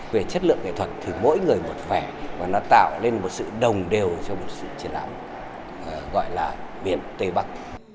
về chất lượng nghệ thuật thì mỗi người một vẻ và nó tạo lên một sự đồng đều cho một sự triển lãm gọi là miền tây bắc